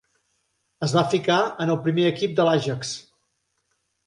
Es va ficar en el primer equip de l'Ajax.